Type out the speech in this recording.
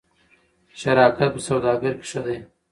شراکت په سوداګرۍ کې ښه دی.